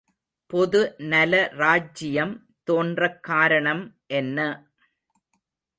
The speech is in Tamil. பொதுநல ராஜ்ஜியம் தோன்றக் காரணம் என்ன!